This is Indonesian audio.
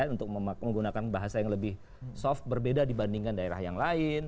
untuk menggunakan bahasa yang lebih soft berbeda dibandingkan daerah yang lain